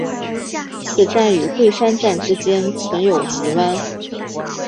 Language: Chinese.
此站与桂山站之间存有急弯。